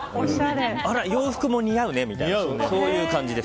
あら、洋服も似合うねってそういう感じです。